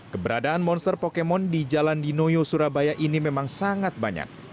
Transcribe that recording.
keberadaan monster pokemon di jalan dinoyo surabaya ini memang sangat banyak